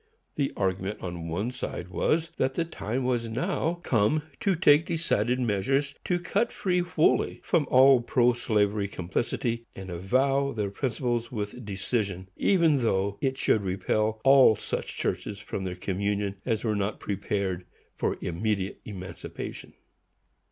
The argument on one side was, that the time was now come to take decided measures to cut free wholly from all pro slavery complicity, and avow their principles with decision, even though it should repel all such churches from their communion as were not prepared for immediate emancipation.